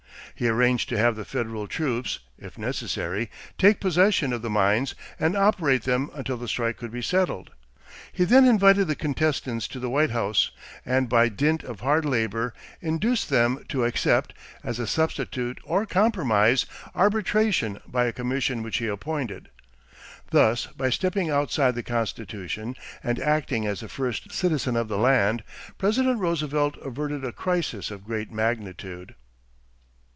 He arranged to have the federal troops, if necessary, take possession of the mines and operate them until the strike could be settled. He then invited the contestants to the White House and by dint of hard labor induced them to accept, as a substitute or compromise, arbitration by a commission which he appointed. Thus, by stepping outside the Constitution and acting as the first citizen of the land, President Roosevelt averted a crisis of great magnitude.